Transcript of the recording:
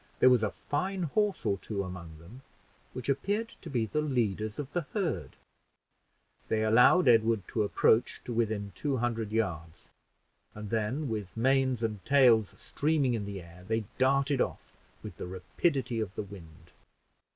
There was a fine horse or two among them, which appeared to be the leaders of the herd. They allowed Edward to approach to within two hundred yards, and then, with manes and tails streaming in the air, they darted off with the rapidity of the wind.